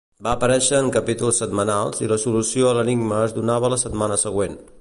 Va aparèixer en capítols setmanals i la solució a l'enigma es donava la setmana següent.